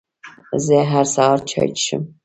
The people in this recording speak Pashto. زه هر سهار چای څښم